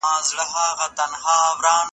موږ باید د سندي او خپلواکي څېړني توپیر درک کړو.